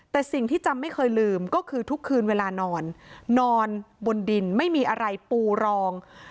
แต่สิ่งที่จำไม่เคยลืมก็คือทุกคืนเวลานอนนอนบนดินไม่มีอะไรปูรอง